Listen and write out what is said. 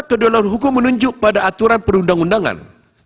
kedua hukum menunjuk pada aturan perundang undangan